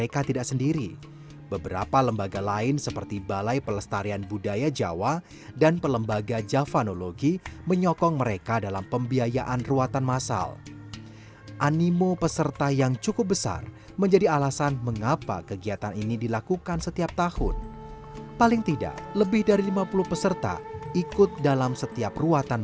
kicermo sutejo mendoakannya terlebih dahulu